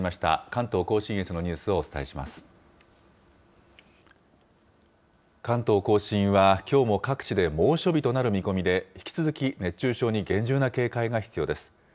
関東甲信はきょうも各地で猛暑日となる見込みで引き続き熱中症に厳重な警戒が必要です。